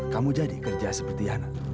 kamu jadi kerja seperti anak